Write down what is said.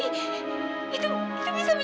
itu bisa menjadi bukti kak